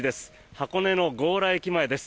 箱根の強羅駅前です。